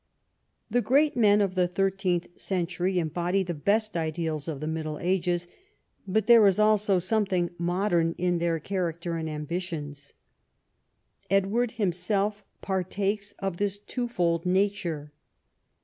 The great men of the thirteenth century embody the best ideals of the Middle Ages, but there is also some thing modern in their character and ambitions. Edward himself partakes of this twofold nature.